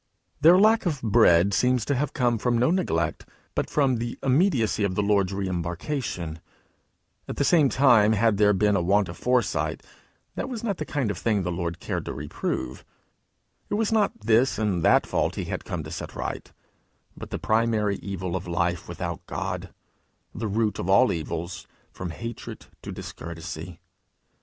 Their lack of bread seems to have come from no neglect, but from the immediacy of the Lord's re embarkation; at the same time had there been a want of foresight, that was not the kind of thing the Lord cared to reprove; it was not this and that fault he had come to set right, but the primary evil of life without God, the root of all evils, from hatred to discourtesy.